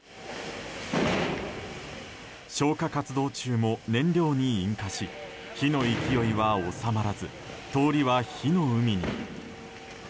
消火活動中も燃料に引火し火の勢いは収まらず通りは火の海に。